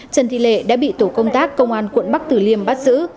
trần thị lệ đã bị tổ công tác công an quận bắc tử liêm bắt giữ